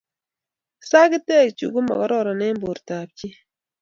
sagitek chu komagororon eng bortab chii